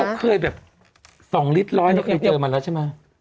เขาเคยแบบ๒ลิตรร้อยเราเคยเจอมาแล้วใช่ไหม